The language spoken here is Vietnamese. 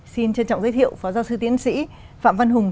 xin trân trọng giới thiệu phó giáo sư tiến sĩ phạm văn hùng